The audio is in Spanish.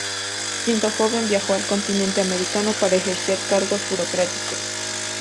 Siendo joven viajó al continente americano para ejercer cargos burocráticos.